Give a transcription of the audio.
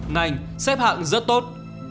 ngành xếp hạng rất tốt